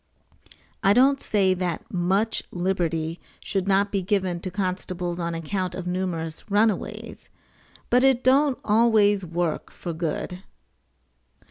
[I don't say that much liberty should not be given to constables on account of numerous runaways, but it don't always work for good.